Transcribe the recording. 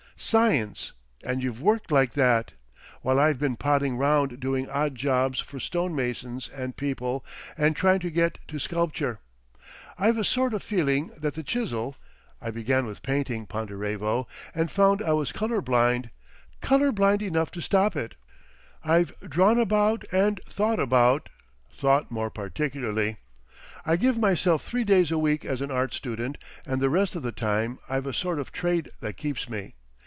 "Science! And you've worked like that! While I've been potting round doing odd jobs for stone masons and people, and trying to get to sculpture. I've a sort of feeling that the chisel—I began with painting, Ponderevo, and found I was colour blind, colour blind enough to stop it. I've drawn about and thought about—thought more particularly. I give myself three days a week as an art student, and the rest of the time I've a sort of trade that keeps me.